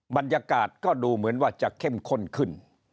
บรรยากาศก็ดูเหมือนว่าจะเข้มข้นขึ้น